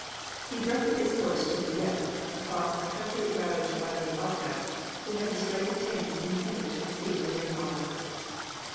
He directed his course to Yezd, across a country ravaged by the Osbeks, who had destroyed the tanks intended to receive the rain water.